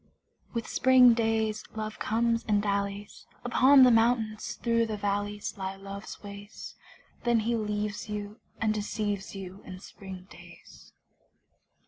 With spring days Love comes and dallies: Upon the mountains, through the valleys Lie Love's ways. Then he leaves you and deceives you In spring days.